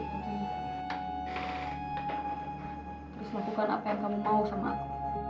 terus lakukan apa yang kamu tahu sama aku